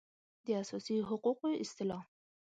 د اساسي حقوقو اصطلاح